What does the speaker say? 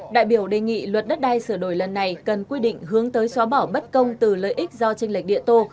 đại biểu đề nghị luật đất đai sửa đổi lần này cần quy định hướng tới xóa bỏ bất công từ lợi ích do tranh lệch địa tô